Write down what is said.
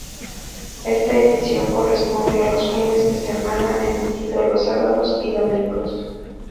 Esta edición corresponde a los fines de semana, emitido los sábados y domingos.